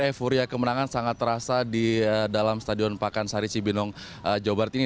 euforia kemenangan sangat terasa di dalam stadion pakansari cibinong jawa barat ini